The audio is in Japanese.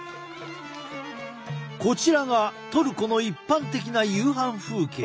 こちらがトルコの一般的な夕飯風景。